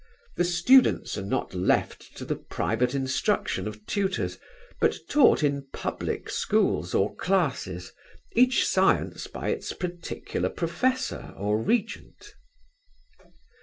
The students are not left to the private instruction of tutors; but taught in public schools or classes, each science by its particular professor or regent.